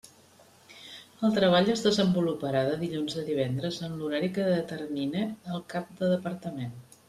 El treball es desenvoluparà de dilluns a divendres en l'horari que determine el cap de departament.